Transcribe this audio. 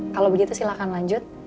kalau begitu silahkan lanjut